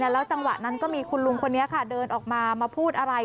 แล้วจังหวะนั้นก็มีคุณลุงคนนี้ค่ะเดินออกมามาพูดอะไร